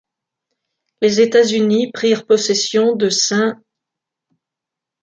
Les États-Unis prirent possession de St.